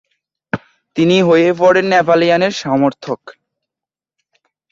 তিনি হয়ে পড়েন নেপোলিয়নের সমর্থক।